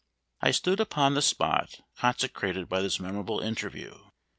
I stood upon the spot consecrated by this memorable interview.